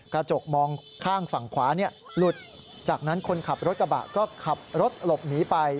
กระจกมองข้างฝั่งขวาหลุดจากนั้นคนขับรถกระบะก็ขับรถหลบหนีไป